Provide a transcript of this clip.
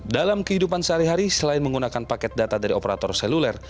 dalam kehidupan sehari hari selain menggunakan paket data dari operator seluler